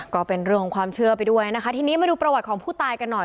ก็เป็นเรื่องของความเชื่อไปด้วยนะคะทีนี้มาดูประวัติของผู้ตายกันหน่อย